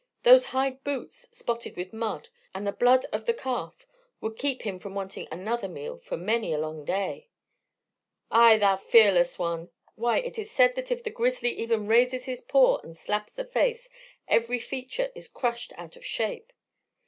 Those hide boots, spotted with mud, and the blood of the calf, would keep him from wanting another meal for many a long day " "Ay, thou fearless one! Why, it is said that if the grizzly even raises his paw and slaps the face every feature is crushed out of shape."